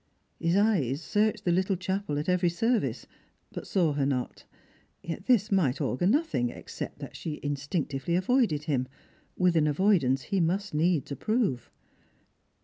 His eyes searched the little chapel at every service, but saw her not. Yet this might augur nothing except that she instinc tively avoided him, with an avoidance he must needs approve.